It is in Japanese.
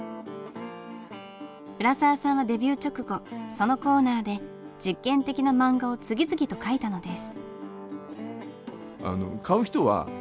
浦沢さんはデビュー直後そのコーナーで実験的な漫画を次々と描いたのです。